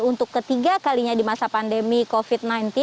untuk ketiga kalinya di masa pandemi covid sembilan belas